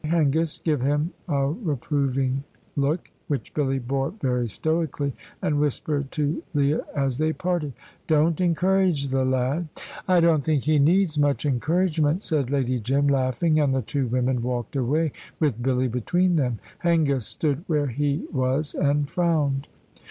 I Hengist gave him a reproving look (which Billy bore very stoically), and whispered to Leah as they parted, "Don't encourage that lad." "I don't think he needs much encouragement," said Lady Jim, laughing, and the two women walked away with Billy between them. Hengist stood where he was and frowned.